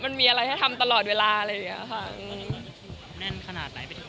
คุณเรียกว่าเป็นช่วงตอบโปรดเลยไหมคะ